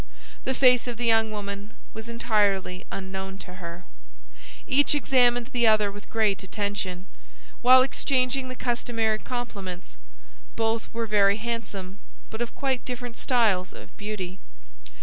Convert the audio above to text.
The face of the young woman was entirely unknown to her. Each examined the other with great attention, while exchanging the customary compliments; both were very handsome, but of quite different styles of beauty.